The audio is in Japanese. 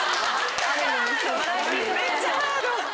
めっちゃハード。